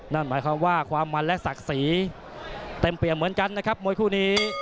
นั่นหมายความว่าความมันและศักดิ์ศรีเต็มเปี่ยมเหมือนกันนะครับมวยคู่นี้